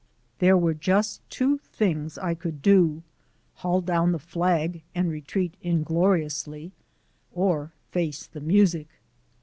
There were just two things I could do haul down the flag and retreat ingloriously, or face the music.